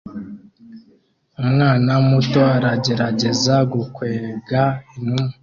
Umwana muto aragerageza gukwega inuma